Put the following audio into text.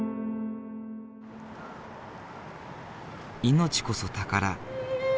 命こそ宝。